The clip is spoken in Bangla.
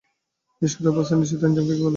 নিষ্ক্রিয় অবস্থায় নিঃসৃত এনজাইমকে কী বলে?